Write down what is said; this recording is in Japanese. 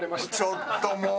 ちょっともう！